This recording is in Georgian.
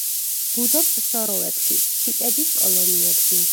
ბუდობს სოროებში, ჩიტების კოლონიებში.